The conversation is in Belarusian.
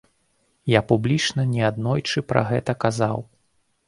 Я публічна неаднойчы пра гэта казаў.